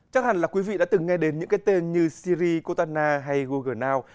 chắc hẳn là quý vị đã từng nghe đến những cái tên như siri kotana hay google now